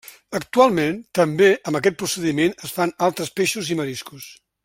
Actualment, també, amb aquest procediment es fan altres peixos i mariscos.